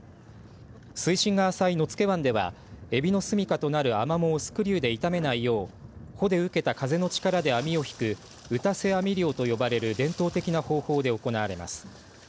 水深が浅い野付湾ではエビの住みかとなるアマモをスクリューで傷めないよう帆で受けた風の力で網を引く打瀬網漁と呼ばれる伝統的な方法で行われます。